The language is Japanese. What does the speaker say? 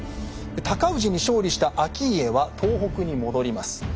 尊氏に勝利した顕家は東北に戻ります。